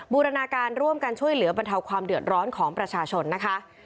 บูรณาการร่วมกันช่วยเหลือบรรเทาความเดือดร้อนของประชาชนนะคะ